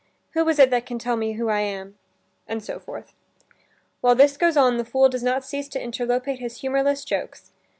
Who is it that can tell me who I am?" And so forth. While this goes on the fool does not cease to interpolate his humorless jokes.